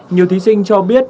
nhiều thí sinh cho biết